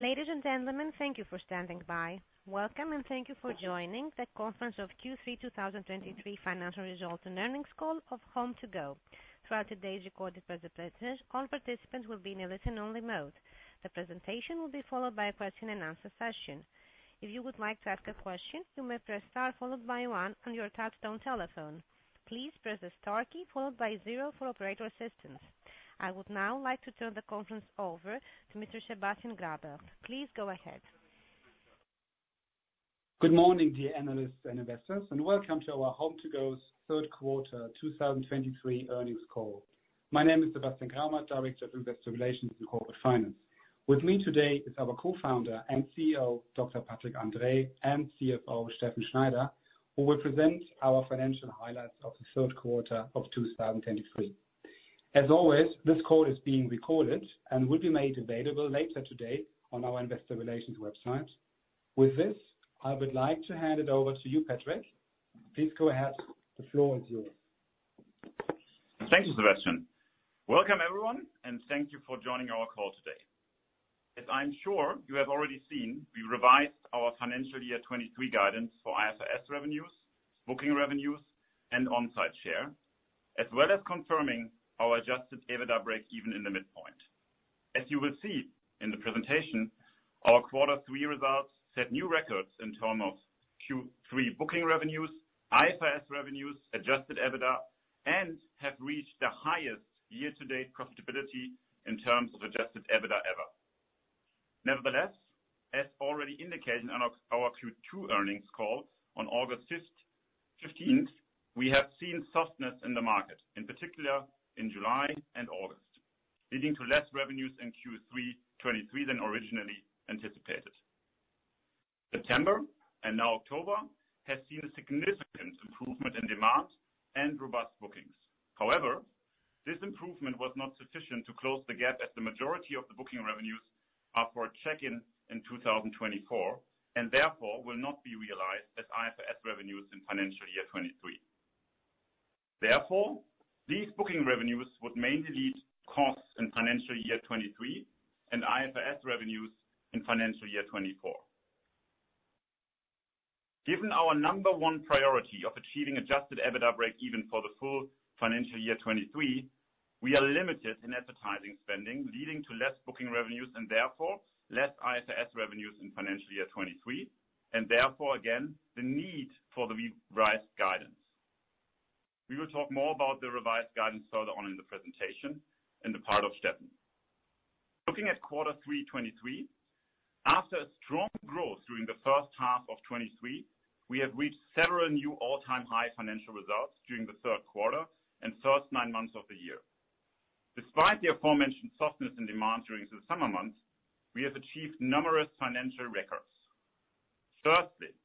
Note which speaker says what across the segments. Speaker 1: Ladies and gentlemen, thank you for standing by. Welcome, and thank you for joining the conference of Q3 2023 Financial Results and Earnings Call of HomeToGo. Throughout today's recorded presentation, all participants will be in a listen-only mode. The presentation will be followed by a question-and-answer session. If you would like to ask a question, you may press Star followed by One on your touchtone telephone. Please press the Star key followed by Zero for operator assistance. I would now like to turn the conference over to Mr. Sebastian Grabert. Please, go ahead.
Speaker 2: Good morning, dear analysts and investors, and welcome to our HomeToGo's third quarter 2023 earnings call. My name is Sebastian Grabert, Director of Investor Relations and Corporate Finance. With me today is our Co-founder and CEO, Dr. Patrick Andrae, and CFO, Steffen Schneider, who will present our financial highlights of the third quarter of 2023. As always, this call is being recorded and will be made available later today on our investor relations website. With this, I would like to hand it over to you, Patrick. Please go ahead. The floor is yours.
Speaker 3: Thank you, Sebastian. Welcome, everyone, and thank you for joining our call today. As I'm sure you have already seen, we revised our financial year 2023 guidance for IFRS revenues, booking revenues, and on-site share, as well as confirming our Adjusted EBITDA breakeven in the midpoint. As you will see in the presentation, our Quarter Three results set new records in terms of Q3 booking revenues, IFRS revenues, Adjusted EBITDA, and have reached the highest year-to-date profitability in terms of Adjusted EBITDA ever. Nevertheless, as already indicated on our Q2 earnings call on August 15th, we have seen softness in the market, in particular in July and August, leading to less revenues in Q3 2023 than originally anticipated. September and now October has seen a significant improvement in demand and robust bookings. However, this improvement was not sufficient to close the gap, as the majority of the booking revenues are for check-in in 2024, and therefore will not be realized as IFRS revenues in financial year 2023. Therefore, these booking revenues would mainly lead to costs in financial year 2023 and IFRS revenues in financial year 2024. Given our number one priority of achieving Adjusted EBITDA breakeven for the full financial year 2023, we are limited in advertising spending, leading to less booking revenues and therefore less IFRS revenues in financial year 2023, and therefore, again, the need for the revised guidance. We will talk more about the revised guidance further on in the presentation in the part of Steffen. Looking at Quarter 3 2023, after a strong growth during the first half of 2023, we have reached several new all-time high financial results during the third quarter and first nine months of the year. Despite the aforementioned softness and demand during the summer months, we have achieved numerous financial records. Firstly,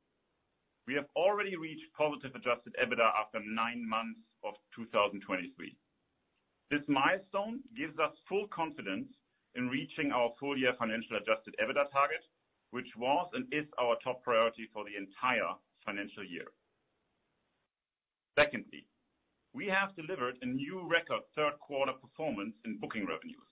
Speaker 3: we have already reached positive Adjusted EBITDA after nine months of 2023. This milestone gives us full confidence in reaching our full-year financial Adjusted EBITDA target, which was and is our top priority for the entire financial year. Secondly, we have delivered a new record third quarter performance in booking revenues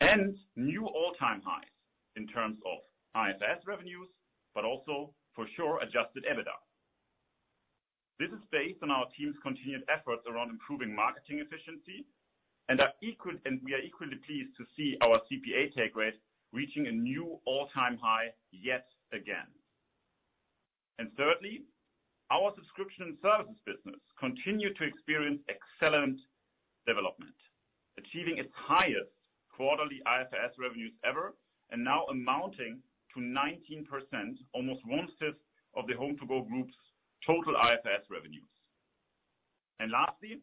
Speaker 3: and new all-time highs in terms of IFRS revenues, but also, for sure, Adjusted EBITDA. This is based on our team's continued efforts around improving marketing efficiency and we are equally pleased to see our CPA take rate reaching a new all-time high, yet again. And thirdly, our subscription services business continued to experience excellent development, achieving its highest quarterly IFRS revenues ever, and now amounting to 19%, almost one-fifth of the HomeToGo group's total IFRS revenues. And lastly,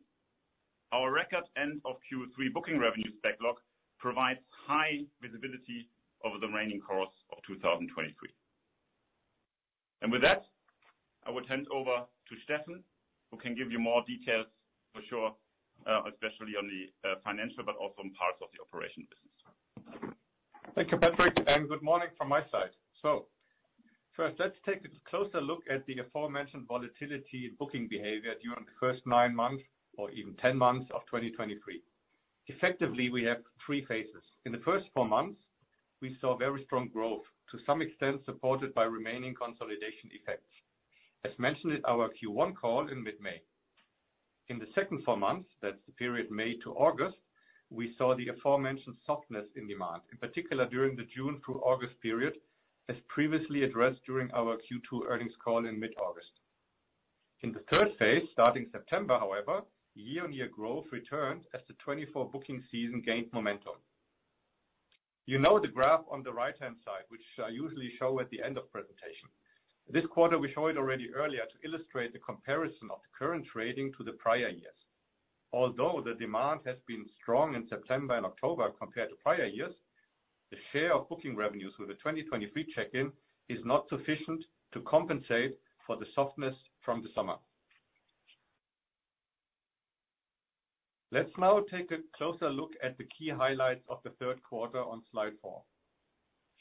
Speaker 3: our record end of Q3 booking revenue backlog provides high visibility over the remaining course of 2023. And with that, I would hand over to Steffen, who can give you more details for sure, especially on the financial, but also on parts of the operation business.
Speaker 4: Thank you, Patrick, and good morning from my side. So first, let's take a closer look at the aforementioned volatility in booking behavior during the first nine months or even 10 months of 2023. Effectively, we have three phases. In the first four months, we saw very strong growth, to some extent supported by remaining consolidation effects, as mentioned in our Q1 call in mid-May. In the second four months, that's the period May to August, we saw the aforementioned softness in demand, in particular during the June through August period, as previously addressed during our Q2 earnings call in mid-August. In the third phase, starting September, however, year-on-year growth returned as the 2024 booking season gained momentum. You know the graph on the right-hand side, which I usually show at the end of presentation. This quarter, we show it already earlier to illustrate the comparison of the current trading to the prior years. Although the demand has been strong in September and October compared to prior years, the share of booking revenues with the 2023 check-in is not sufficient to compensate for the softness from the summer. Let's now take a closer look at the key highlights of the third quarter on slide four.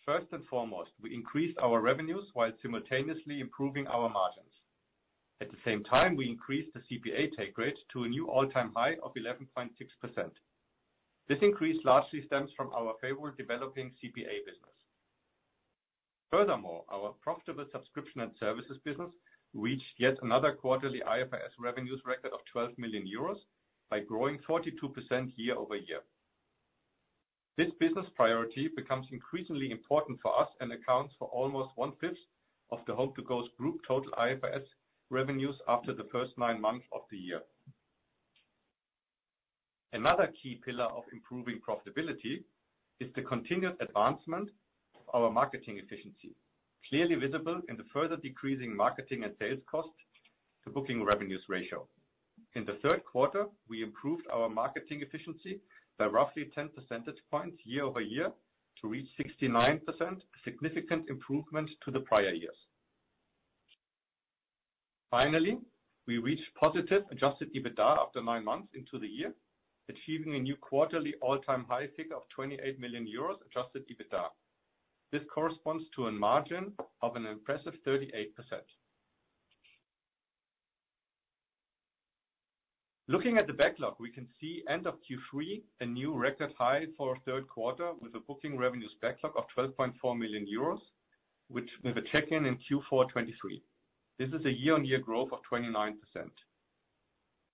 Speaker 4: First and foremost, we increased our revenues while simultaneously improving our margins. At the same time, we increased the CPA take rate to a new all-time high of 11.6%. This increase largely stems from our favorable developing CPA business. Furthermore, our profitable subscription and services business reached yet another quarterly IFRS revenues record of 12 million euros by growing 42% year-over-year. This business priority becomes increasingly important for us and accounts for almost one-fifth of the HomeToGo's group total IFRS revenues after the first nine months of the year. Another key pillar of improving profitability is the continued advancement of our marketing efficiency, clearly visible in the further decreasing marketing and sales cost to booking revenues ratio. In the third quarter, we improved our marketing efficiency by roughly 10 percentage points year-over-year to reach 69%, significant improvement to the prior years. Finally, we reached positive Adjusted EBITDA after nine months into the year, achieving a new quarterly all-time high figure of 28 million euros Adjusted EBITDA. This corresponds to a margin of an impressive 38%. Looking at the backlog, we can see end of Q3, a new record high for our third quarter, with a booking revenues backlog of 12.4 million euros, which with a check-in in Q4 2023. This is a year-on-year growth of 29%.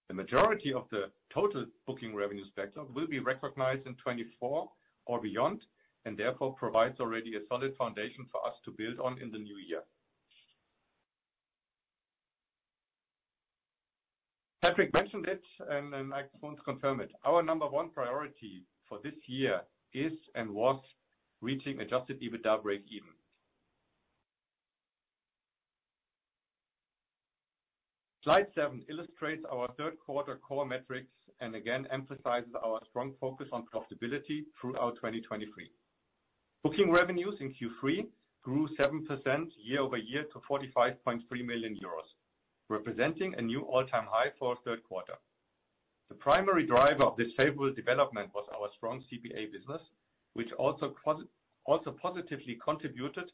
Speaker 4: The majority of the total booking revenue spectrum will be recognized in 2024 or beyond, and therefore provides already a solid foundation for us to build on in the new year. Patrick mentioned it, and, and I just want to confirm it. Our number one priority for this year is, and was, reaching Adjusted EBITDA breakeven. Slide seven illustrates our third quarter core metrics and again, emphasizes our strong focus on profitability throughout 2023. Booking revenues in Q3 grew 7% year-over-year to 45.3 million euros, representing a new all-time high for our third quarter. The primary driver of this favorable development was our strong CPA business, which also positively contributed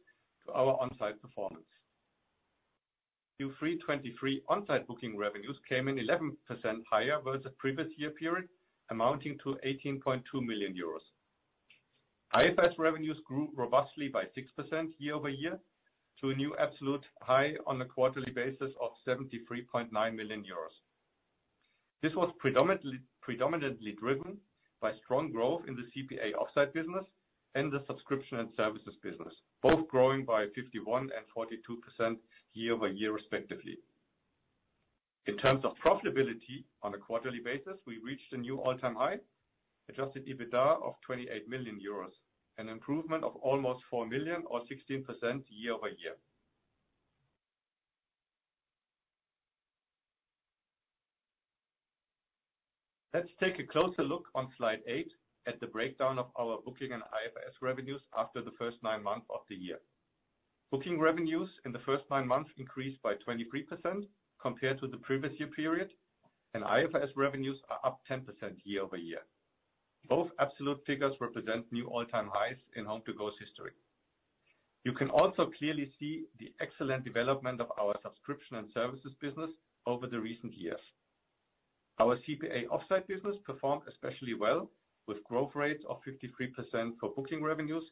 Speaker 4: to our on-site performance. Q3 2023 on-site booking revenues came in 11% higher versus the previous year period, amounting to 18.2 million euros. IFRS revenues grew robustly by 6% year-over-year, to a new absolute high on a quarterly basis of 73.9 million euros. This was predominantly driven by strong growth in the CPA off-site business and the subscription and services business, both growing by 51% and 42% year-over-year, respectively. In terms of profitability on a quarterly basis, we reached a new all-time high adjusted EBITDA of 28 million euros, an improvement of almost 4 million or 16% year-over-year. Let's take a closer look on slide eight at the breakdown of our booking and IFRS revenues after the first 9 months of the year. Booking revenues in the first nine months increased by 23% compared to the previous year period, and IFRS revenues are up 10% year-over-year. Both absolute figures represent new all-time highs in HomeToGo's history. You can also clearly see the excellent development of our subscription and services business over the recent years. Our CPA off-site business performed especially well, with growth rates of 53% for booking revenues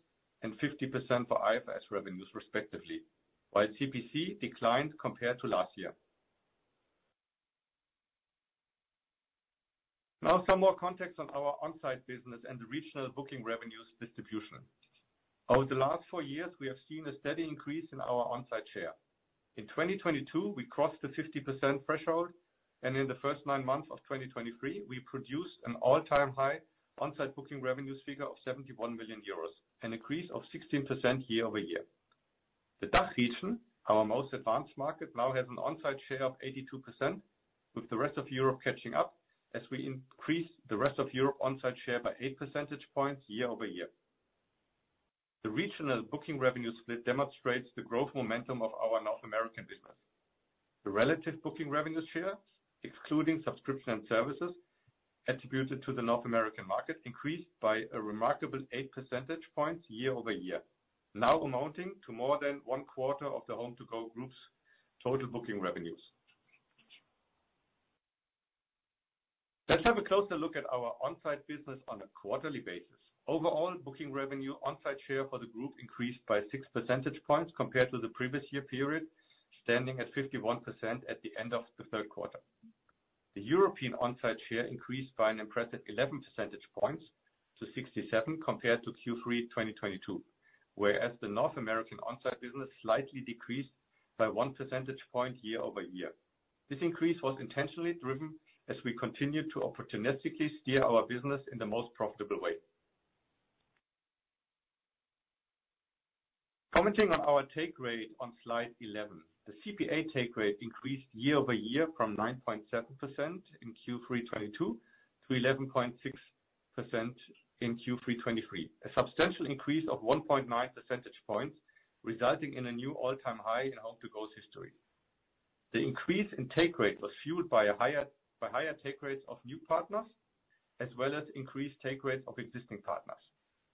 Speaker 4: and 50% for IFRS revenues, respectively, while CPC declined compared to last year. Now, some more context on our on-site business and the regional booking revenues distribution. Over the last four years, we have seen a steady increase in our on-site share. In 2022, we crossed the 50% threshold, and in the first nine months of 2023, we produced an all-time high on-site booking revenues figure of 71 million euros, an increase of 16% year-over-year. The DACH region, our most advanced market, now has an on-site share of 82%, with the rest of Europe catching up as we increase the rest of Europe on-site share by eight percentage points year-over-year. The regional booking revenue split demonstrates the growth momentum of our North American business. The relative booking revenue share, excluding subscription and services, attributed to the North American market, increased by a remarkable eight percentage points year-over-year, now amounting to more than one quarter of the HomeToGo Group's total booking revenues. Let's have a closer look at our on-site business on a quarterly basis. Overall, booking revenue on-site share for the group increased by 6 percentage points compared to the previous year period, standing at 51% at the end of the third quarter. The European on-site share increased by an impressive 11 percentage points to 67% compared to Q3 2022, whereas the North American on-site business slightly decreased by 1 percentage point year-over-year. This increase was intentionally driven as we continued to opportunistically steer our business in the most profitable way. Commenting on our take rate on Slide 11, the CPA take rate increased year-over-year from 9.7% in Q3 2022 to 11.6% in Q3 2023. A substantial increase of 1.9 percentage points, resulting in a new all-time high in HomeToGo's history. The increase in take rate was fueled by higher take rates of new partners-... as well as increased take rate of existing partners,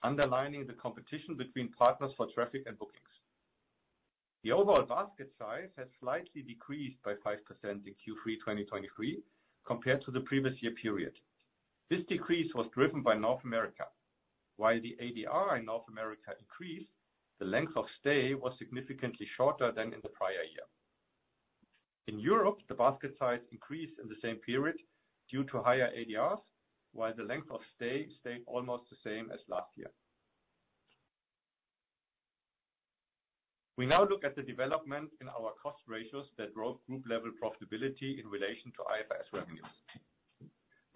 Speaker 4: underlining the competition between partners for traffic and bookings. The overall basket size has slightly decreased by 5% in Q3 2023, compared to the previous year period. This decrease was driven by North America. While the ADR in North America increased, the length of stay was significantly shorter than in the prior year. In Europe, the basket size increased in the same period due to higher ADRs, while the length of stay stayed almost the same as last year. We now look at the development in our cost ratios that drove group-level profitability in relation to IFRS revenues.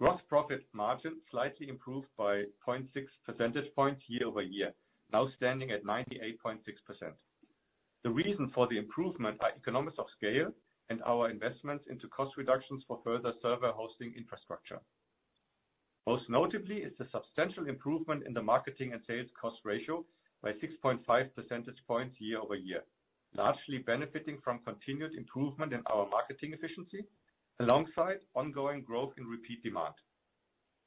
Speaker 4: Gross profit margin slightly improved by 0.6 percentage points year-over-year, now standing at 98.6%. The reason for the improvement are economics of scale and our investments into cost reductions for further server hosting infrastructure. Most notably is the substantial improvement in the marketing and sales cost ratio by 6.5 percentage points year-over-year, largely benefiting from continued improvement in our marketing efficiency, alongside ongoing growth in repeat demand.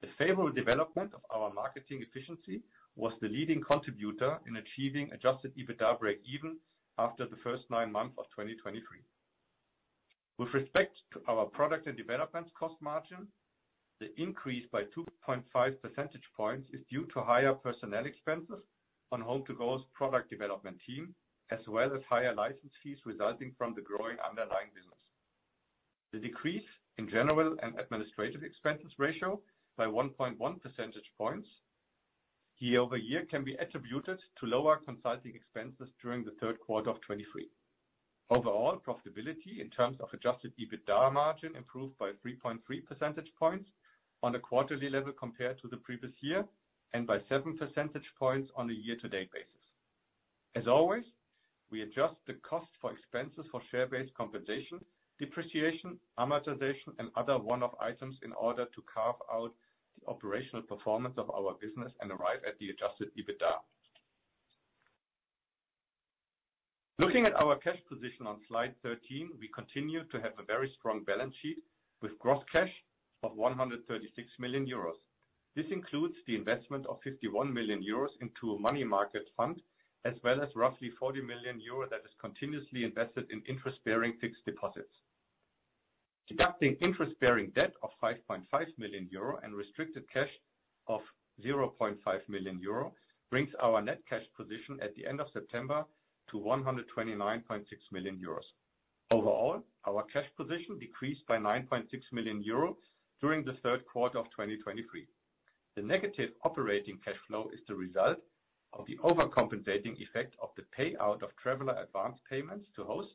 Speaker 4: The favorable development of our marketing efficiency was the leading contributor in achieving Adjusted EBITDA breakeven after the first nine months of 2023. With respect to our product and development cost margin, the increase by 2.5 percentage points is due to higher personnel expenses on HomeToGo's product development team, as well as higher license fees resulting from the growing underlying business. The decrease in general and administrative expenses ratio by 1.1 percentage points year-over-year can be attributed to lower consulting expenses during the third quarter of 2023. Overall, profitability in terms of Adjusted EBITDA margin improved by 3.3 percentage points on a quarterly level compared to the previous year, and by 7 percentage points on a year-to-date basis. As always, we adjust the cost for expenses for share-based compensation, depreciation, amortization, and other one-off items in order to carve out the operational performance of our business and arrive at the Adjusted EBITDA. Looking at our cash position on slide 13, we continue to have a very strong balance sheet with gross cash of 136 million euros. This includes the investment of 51 million euros into a money market fund, as well as roughly 40 million euros that is continuously invested in interest-bearing fixed deposits. Deducting interest-bearing debt of 5.5 million euro and restricted cash of 0.5 million euro, brings our net cash position at the end of September to 129.6 million euros. Overall, our cash position decreased by 9.6 million euros during the third quarter of 2023. The negative operating cash flow is the result of the overcompensating effect of the payout of traveler advance payments to hosts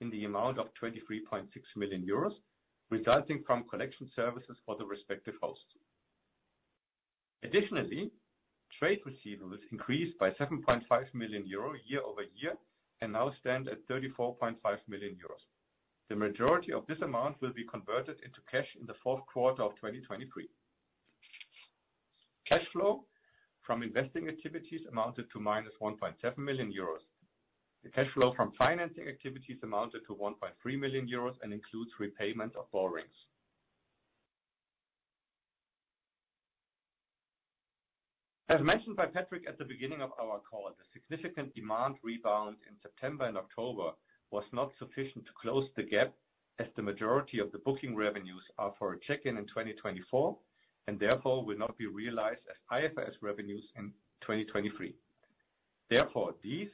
Speaker 4: in the amount of 23.6 million euros, resulting from collection services for the respective hosts. Additionally, trade receivables increased by 7.5 million euro year-over-year and now stand at 34.5 million euros. The majority of this amount will be converted into cash in the fourth quarter of 2023. Cash flow from investing activities amounted to -1.7 million euros. The cash flow from financing activities amounted to 1.3 million euros and includes repayment of borrowings. As mentioned by Patrick at the beginning of our call, the significant demand rebound in September and October was not sufficient to close the gap, as the majority of the booking revenues are for a check-in in 2024, and therefore will not be realized as IFRS revenues in 2023. Therefore, these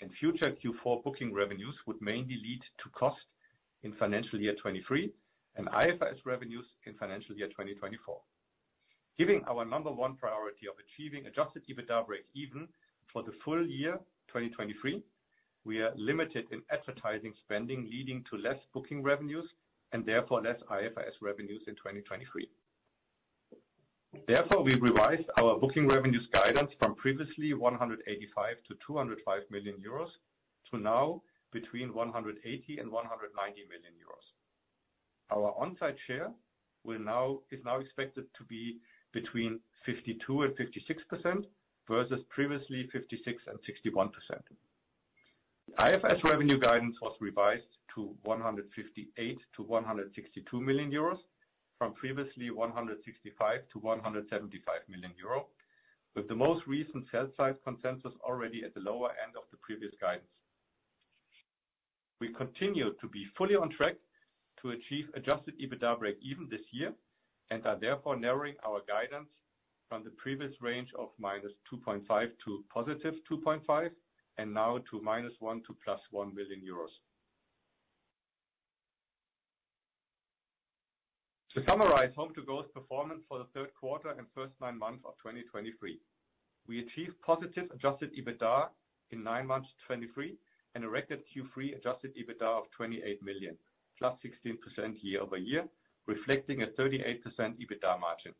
Speaker 4: and future Q4 booking revenues would mainly lead to cost in financial year 2023 and IFRS revenues in financial year 2024. Giving our number one priority of achieving Adjusted EBITDA break even for the full year, 2023, we are limited in advertising spending, leading to less booking revenues and therefore less IFRS revenues in 2023. Therefore, we revised our booking revenues guidance from previously 185 million-205 million euros to now between 180 million and 190 million euros. Our on-site share is now expected to be between 52%-56% versus previously 56%-61%. IFRS revenue guidance was revised to 158 million-162 million euros from previously 165 million-175 million euros, with the most recent sell-side consensus already at the lower end of the previous guidance. We continue to be fully on track to achieve Adjusted EBITDA breakeven this year, and are therefore narrowing our guidance from the previous range of -2.5 million to +2.5 million, and now to -1 million euros to +1 million euros. To summarize HomeToGo's performance for the third quarter and first nine months of 2023, we achieved positive Adjusted EBITDA in nine months, 2023, and a record Q3 Adjusted EBITDA of 28 million, +16% year-over-year, reflecting a 38% EBITDA margin.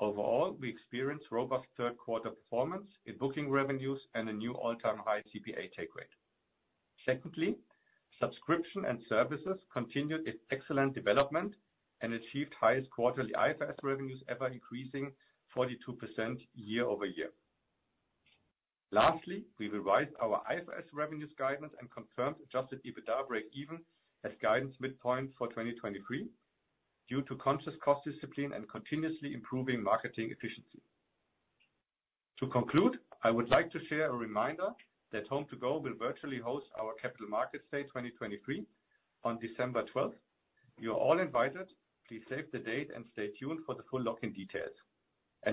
Speaker 4: Overall, we experienced robust third quarter performance in booking revenues and a new all-time high CPA take rate. Secondly, subscription and services continued its excellent development and achieved highest quarterly IFRS revenues ever increasing 42% year-over-year.... Lastly, we revised our IFRS revenues guidance and confirmed Adjusted EBITDA breakeven as guidance midpoint for 2023, due to conscious cost discipline and continuously improving marketing efficiency. To conclude, I would like to share a reminder that HomeToGo will virtually host our Capital Markets Day 2023 on December twelfth. You're all invited. Please save the date and stay tuned for the full login details.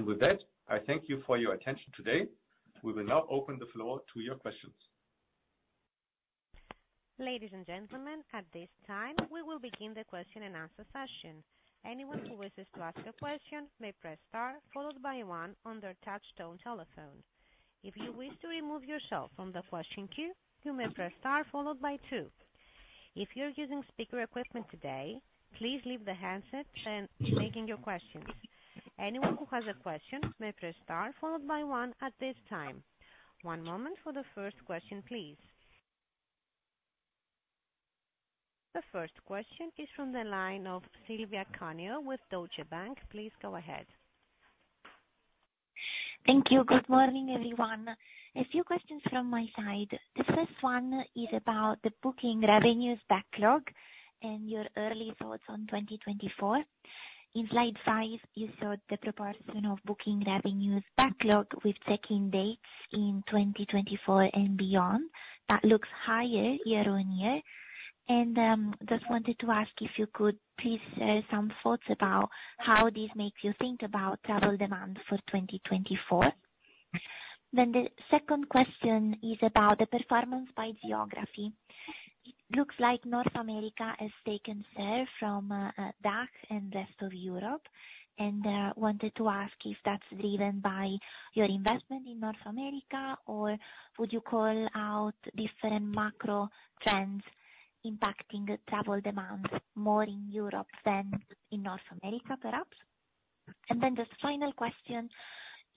Speaker 4: With that, I thank you for your attention today. We will now open the floor to your questions.
Speaker 1: Ladies and gentlemen, at this time, we will begin the question and answer session. Anyone who wishes to ask a question may press star followed by one on their touchtone telephone. If you wish to remove yourself from the question queue, you may press star followed by two. If you're using speaker equipment today, please leave the handset when making your questions. Anyone who has a question may press star followed by one at this time. One moment for the first question, please. The first question is from the line of Silvia Cuneo with Deutsche Bank. Please go ahead.
Speaker 5: Thank you. Good morning, everyone. A few questions from my side. The first one is about the booking revenues backlog and your early thoughts on 2024. In slide five, you saw the proportion of booking revenues backlog with check-in dates in 2024 and beyond. That looks higher year-on-year. And, just wanted to ask if you could please share some thoughts about how this makes you think about travel demand for 2024? Then the second question is about the performance by geography. It looks like North America has taken share from DACH and rest of Europe, and wanted to ask if that's driven by your investment in North America, or would you call out different macro trends impacting travel demands more in Europe than in North America, perhaps? And then the final question,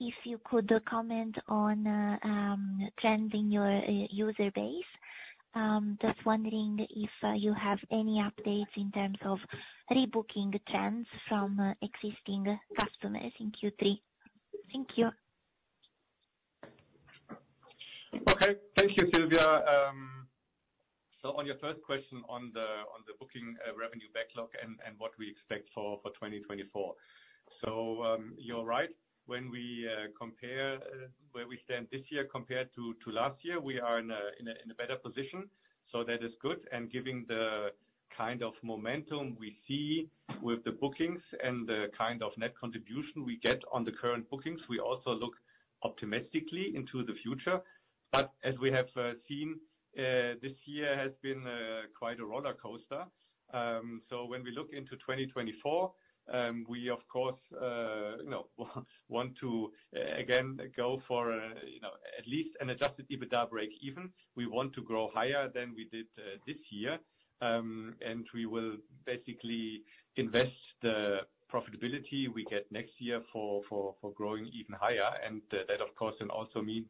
Speaker 5: if you could comment on trends in your user base. Just wondering if you have any updates in terms of rebooking trends from existing customers in Q3. Thank you.
Speaker 4: Okay. Thank you, Silvia. So on your first question on the booking revenue backlog and what we expect for 2024. So, you're right. When we compare where we stand this year compared to last year, we are in a better position. So that is good, and given the kind of momentum we see with the bookings and the kind of net contribution we get on the current bookings, we also look optimistically into the future. But as we have seen, this year has been quite a rollercoaster. So when we look into 2024, we of course you know want to again go for you know at least an Adjusted EBITDA breakeven. We want to grow higher than we did this year. And we will basically invest the profitability we get next year for growing even higher. And that, of course, then also means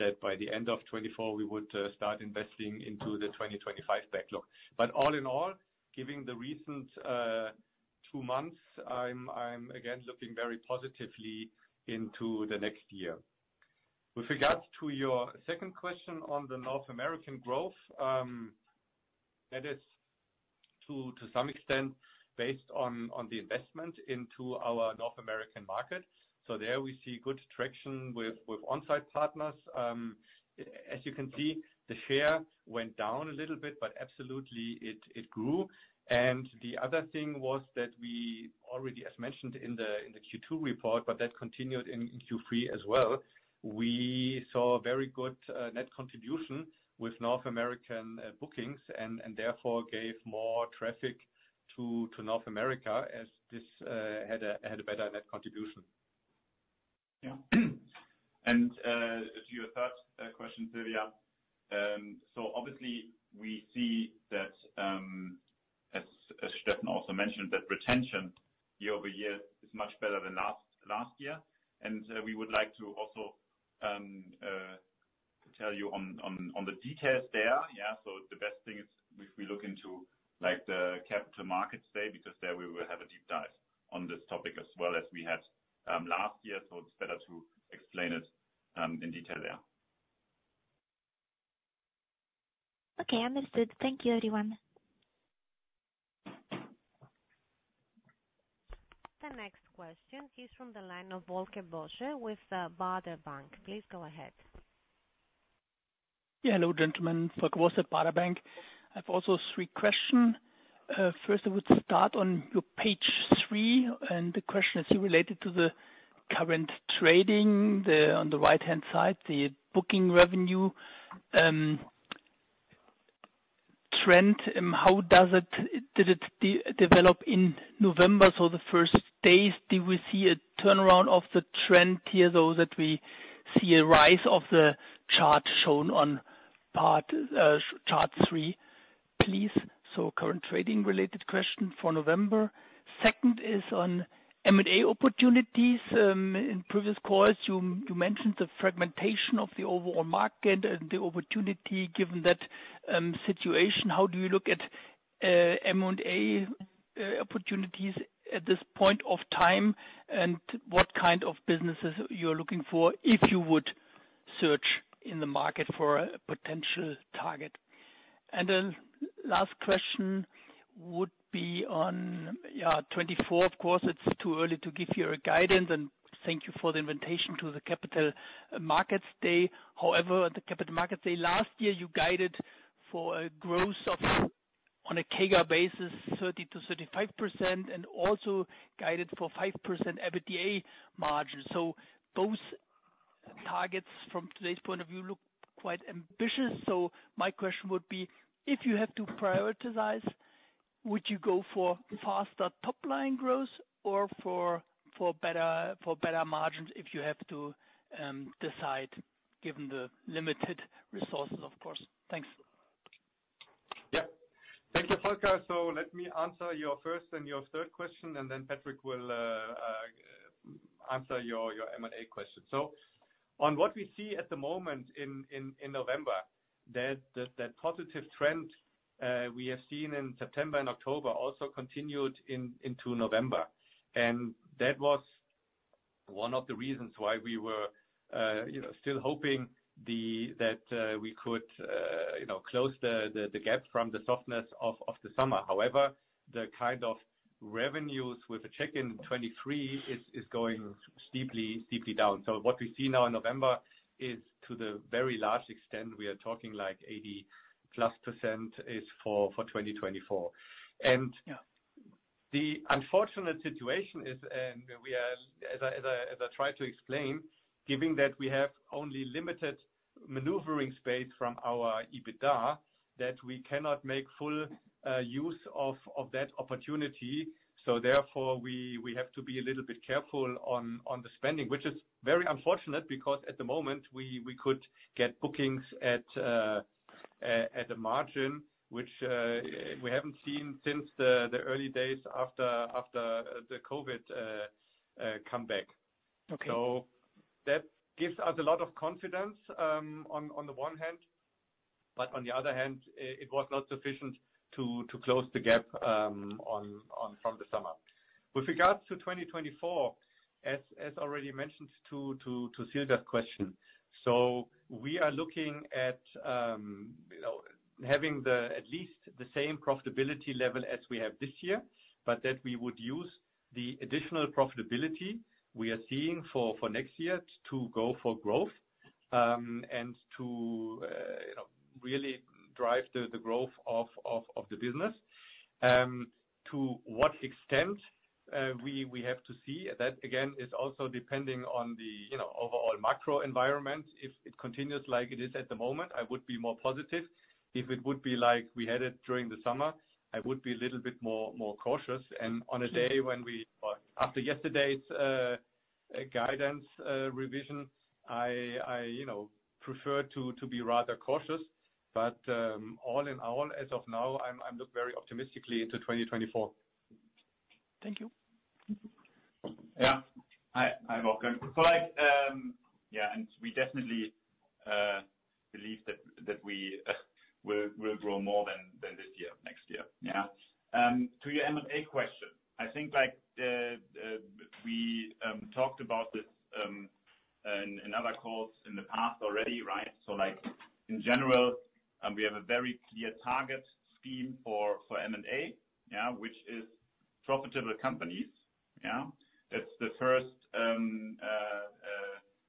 Speaker 4: that by the end of 2024, we would start investing into the 2025 backlog. But all in all, given the recent two months, I'm again looking very positively into the next year. With regards to your second question on the North American growth, that is to some extent based on the investment into our North American market. So there we see good traction with on-site partners. As you can see, the share went down a little bit, but absolutely it grew. The other thing was that we already, as mentioned in the Q2 report, but that continued in Q3 as well, we saw very good net contribution with North American bookings and therefore gave more traffic to North America as this had a better net contribution.
Speaker 3: Yeah. And, to your third question, Silvia. So obviously we see that, as, as Steffen also mentioned, that retention year over year is much better than last, last year. And, we would like to also, tell you on, on, the details there, yeah. So the best thing is if we look into, like, the capital markets day, because there we will have a deep dive on this topic as well as we had, last year, so it's better to explain it, in detail there.
Speaker 5: Okay, understood. Thank you, everyone.
Speaker 1: The next question is from the line of Volker Bosse with Baader Bank. Please go ahead.
Speaker 6: Yeah. Hello, gentlemen, Volker Bosse, Baader Bank. I've also three questions. First, I would start on your page three, and the question is related to the current trading, on the right-hand side, the booking revenue trend, how does it... Did it develop in November? So the first days, did we see a turnaround of the trend here, though, that we see a rise of the chart shown on part, chart three, please? So current trading-related question for November. Second is on M&A opportunities. In previous calls, you mentioned the fragmentation of the overall market and the opportunity given that situation, how do you look at M&A opportunities at this point of time, and what kind of businesses you're looking for, if you would search in the market for a potential target? And then last question would be on, yeah, 2024. Of course, it's too early to give your guidance, and thank you for the invitation to the Capital Markets Day. However, at the Capital Markets Day last year, you guided for a growth of, on a CAGR basis, 30%-35%, and also guided for 5% EBITDA margin. So those targets from today's point of view look quite ambitious. So my question would be: If you have to prioritize, would you go for faster top line growth or for better margins, if you have to decide, given the limited resources, of course? Thanks.
Speaker 4: Yeah. Thank you, Volker. So let me answer your first and your third question, and then Patrick will answer your M&A question. So on what we see at the moment in November, that positive trend we have seen in September and October also continued into November. And that was one of the reasons why we were, you know, still hoping that we could, you know, close the gap from the softness of the summer. However, the kind of revenues with the check-in 2023 is going steeply, deeply down. So what we see now in November is, to a very large extent, we are talking like 80%+ is for 2024. And-
Speaker 6: Yeah.
Speaker 4: The unfortunate situation is, and we are, as I tried to explain, given that we have only limited maneuvering space from our EBITDA, that we cannot make full use of that opportunity. So therefore, we have to be a little bit careful on the spending, which is very unfortunate, because at the moment, we could get bookings at the margin, which we haven't seen since the early days after the COVID comeback.
Speaker 6: Okay.
Speaker 4: So that gives us a lot of confidence, on the one hand, but on the other hand, it was not sufficient to close the gap on from the summer. With regards to 2024, as already mentioned to Silvia's question, so we are looking at, you know, having at least the same profitability level as we have this year, but that we would use the additional profitability we are seeing for next year to go for growth, and to, you know, really drive the growth of the business. To what extent we have to see. That, again, is also depending on the, you know, overall macro environment. If it continues like it is at the moment, I would be more positive. If it would be like we had it during the summer, I would be a little bit more cautious. On a day when we, after yesterday's guidance revision, I, you know, prefer to be rather cautious. But all in all, as of now, I look very optimistically into 2024.
Speaker 6: Thank you.
Speaker 3: Yeah. Hi, hi, welcome. So, like, yeah, and we definitely believe that we will grow more than this year, next year. Yeah. To your M&A question, I think, like, we talked about this in other calls in the past already, right? So, like, in general, we have a very clear target scheme for M&A, yeah, which is profitable companies, yeah. It's the first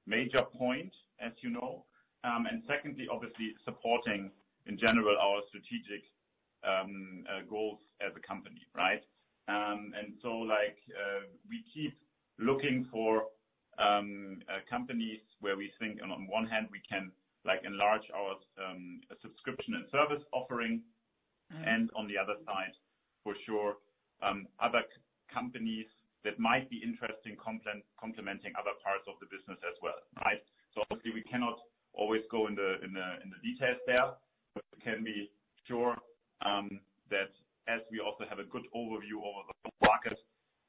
Speaker 3: major point, as you know, and secondly, obviously supporting in general our strategic goals as a company, right? And so, like, we keep looking for companies where we think on one hand, we can like enlarge our subscription and service offering, and on the other side, for sure, other companies that might be interesting complementing other parts of the business as well, right? So obviously, we cannot always go in the details there. But we can be sure that as we also have a good overview over the market,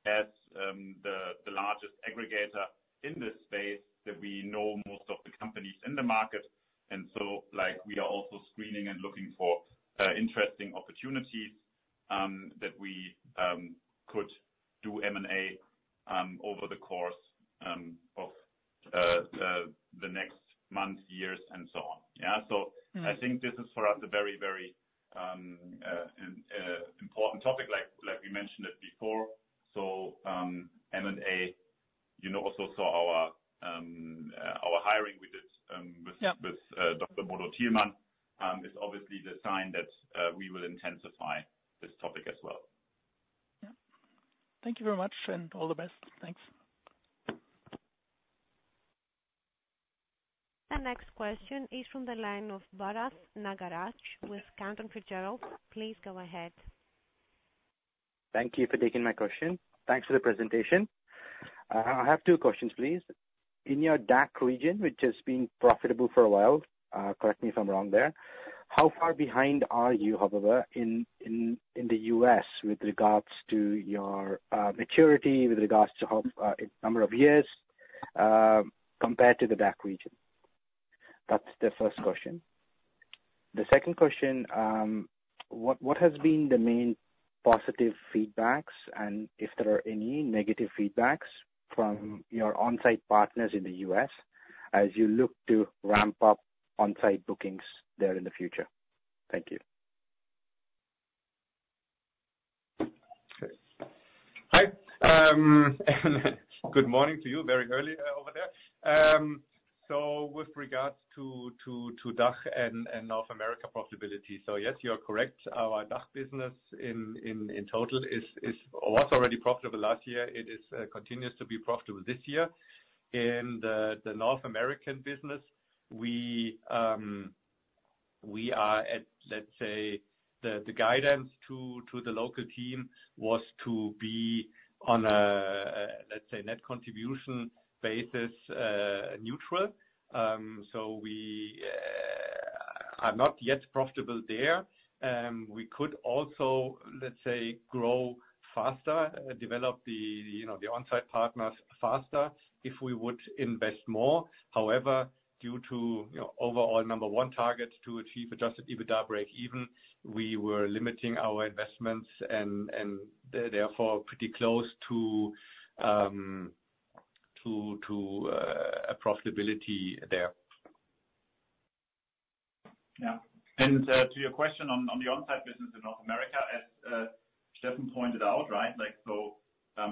Speaker 3: as the largest aggregator in this space, that we know most of the companies in the market. And so, like, we are also screening and looking for interesting opportunities that we could do M&A over the course of the next months, years, and so on. Yeah, so-
Speaker 6: Mm-hmm.
Speaker 3: I think this is for us, a very, very important topic, like we mentioned it before. So, M&A, you know, also saw our hiring we did, with-
Speaker 6: Yeah...
Speaker 3: with Dr. Bodo Thielmann is obviously the sign that we will intensify this topic as well.
Speaker 6: Yeah. Thank you very much, and all the best. Thanks.
Speaker 1: The next question is from the line of Bharath Nagaraj with Cantor Fitzgerald. Please go ahead.
Speaker 7: Thank you for taking my question. Thanks for the presentation. I have two questions, please. In your DACH region, which has been profitable for a while, correct me if I'm wrong there, how far behind are you, however, in the U.S. with regards to your maturity, with regards to how number of years compared to the DACH region?... That's the first question. The second question, what has been the main positive feedbacks, and if there are any negative feedbacks from your on-site partners in the U.S. as you look to ramp up on-site bookings there in the future? Thank you.
Speaker 4: Hi, good morning to you, very early, over there. So with regards to DACH and North America profitability, yes, you are correct. Our DACH business in total was already profitable last year. It continues to be profitable this year. In the North American business, we are at, let's say, the guidance to the local team was to be on a, let's say, net contribution basis, neutral. So we are not yet profitable there. We could also, let's say, grow faster, develop the, you know, the on-site partners faster if we would invest more. However, due to, you know, overall number one target to achieve Adjusted EBITDA break-even, we were limiting our investments and therefore pretty close to a profitability there.
Speaker 3: Yeah. And to your question on the on-site business in North America, as Steffen pointed out, right, like, so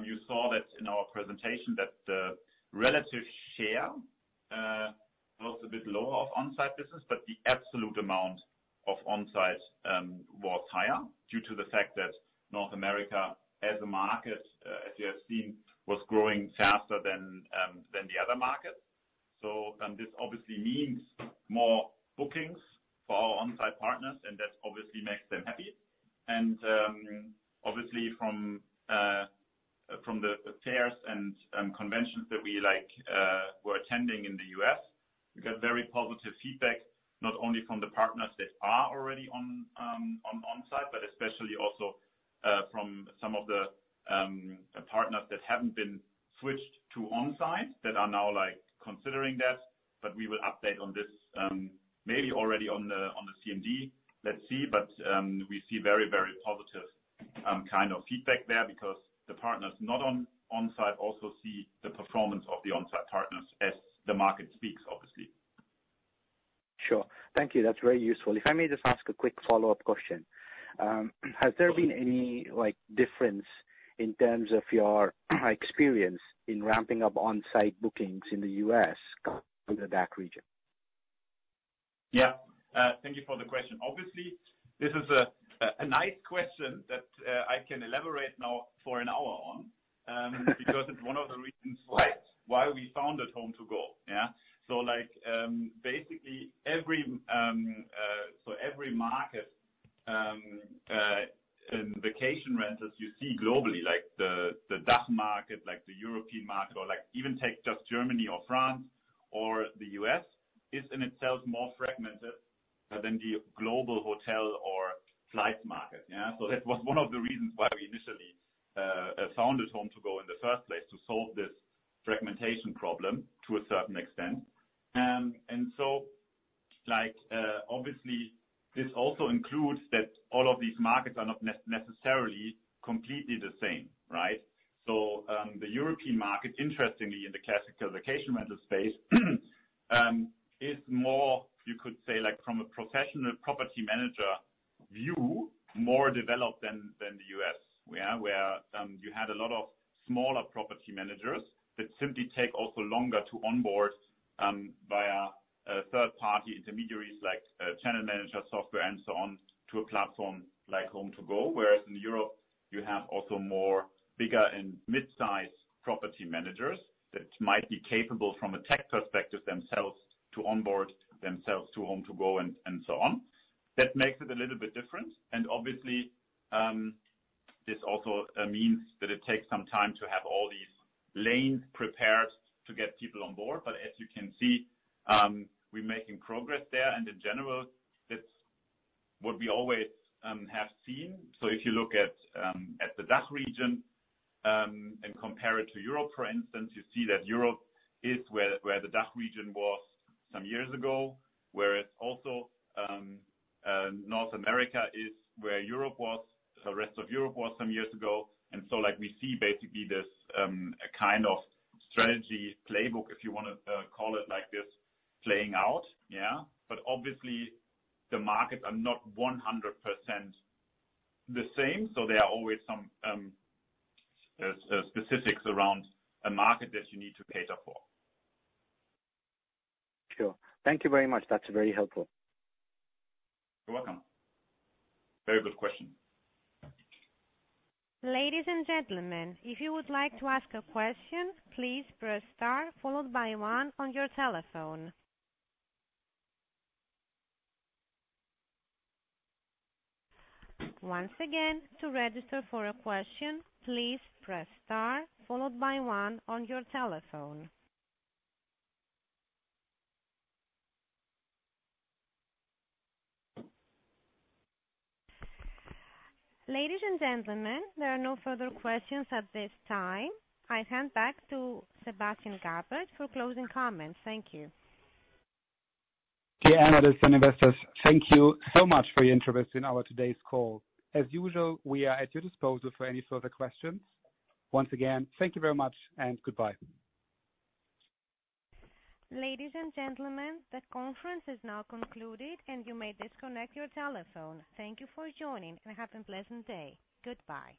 Speaker 3: you saw that in our presentation, that relative share was a bit lower of on-site business, but the absolute amount of on-site was higher due to the fact that North America, as a market, as you have seen, was growing faster than the other markets. So this obviously means more bookings for our on-site partners, and that obviously makes them happy. Obviously from the fairs and conventions that we were attending in the U.S., we got very positive feedback, not only from the partners that are already on on-site, but especially also from some of the partners that haven't been switched to on-site that are now like considering that. But we will update on this, maybe already on the CMD. Let's see. But we see very, very positive kind of feedback there because the partners not on on-site also see the performance of the on-site partners as the market speaks, obviously.
Speaker 7: Sure. Thank you. That's very useful. If I may just ask a quick follow-up question. Has there been any, like, difference in terms of your experience in ramping up on-site bookings in the U.S. compared to the DACH region?
Speaker 3: Yeah. Thank you for the question. Obviously, this is a nice question that I can elaborate now for an hour on because it's one of the reasons why we founded HomeToGo. Yeah. So like, basically every market in vacation rentals you see globally, like the DACH market, like the European market, or like even take just Germany or France that's what we always have seen. So if you look at the DACH region and compare it to Europe, for instance, you see that Europe is where the DACH region was some years ago. Whereas also, North America is where Europe was, the rest of Europe was some years ago. And so like we see basically this, a kind of strategy playbook, if you want to call it like this, playing out. Yeah. But obviously, the markets are not 100% the same, so there are always some specifics around a market that you need to cater for.
Speaker 7: Sure. Thank you very much. That's very helpful.
Speaker 3: You're welcome. Very good question.
Speaker 1: Ladies and gentlemen, if you would like to ask a question, please press star followed by one on your telephone. Once again, to register for a question, please press star followed by one on your telephone. Ladies and gentlemen, there are no further questions at this time. I hand back to Sebastian Grabert for closing comments. Thank you.
Speaker 2: Dear analysts and investors, thank you so much for your interest in our today's call. As usual, we are at your disposal for any further questions. Once again, thank you very much and goodbye.
Speaker 1: Ladies and gentlemen, the conference is now concluded, and you may disconnect your telephone. Thank you for joining, and have a pleasant day. Goodbye.